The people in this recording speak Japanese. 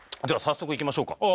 では早速いきましょうか。